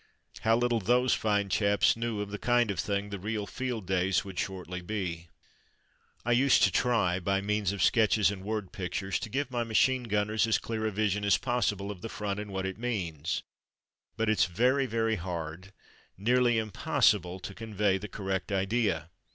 How little those fine chaps knew of the kind of thing the real field days would shortly be ! I used to try, by means of sketches and word pictures, to give my machine gunners as clear a vision as possible of the front and what it means; but it's very, very hard — nearly impossible — to convey the correct idea.